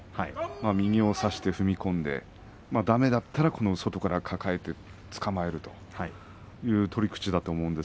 右を差して踏み込んでだめだったら外から抱えてつかまえるとそういう取り口だと思います。